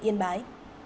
tỉnh yên bái